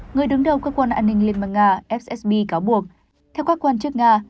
người đứng đầu cơ quan an ninh liên bang nga fsb cáo buộc theo các quan chức nga